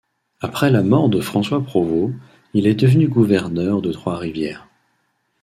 Après la mort de François Provost, il est devenu gouverneur de Trois-Rivières.